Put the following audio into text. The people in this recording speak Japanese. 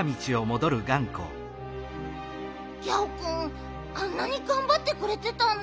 ギャオくんあんなにがんばってくれてたんだ。